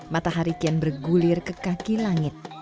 matahari kian bergulir ke kaki langit